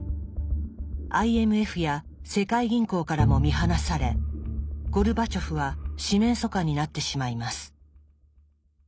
ＩＭＦや世界銀行からも見放されゴルバチョフは四面楚歌になってしまいます。